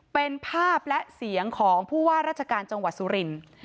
เป็นภาพและเสียงของผู้ว่าราชการจังหวัดสุรินทร์